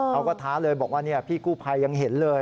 ท้าเลยบอกว่าพี่กู้ภัยยังเห็นเลย